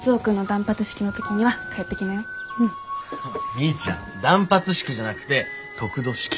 みーちゃん断髪式じゃなくて得度式！